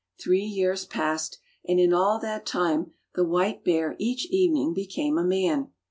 Three years passed, and in all that time the white bear each evening became a man.